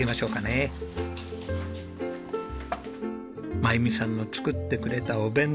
眞弓さんの作ってくれたお弁当。